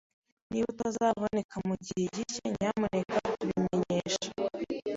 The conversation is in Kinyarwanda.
Niba utazaboneka mugihe gishya, nyamuneka tubitumenyeshe.